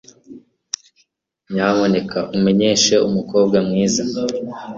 Nyamuneka umenyeshe umukobwa mwiza.